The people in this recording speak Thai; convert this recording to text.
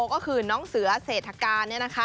ก็คือน้องเสือเศรษฐกาล